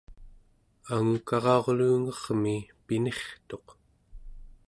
angukara'urluunge'rmi pinirtuq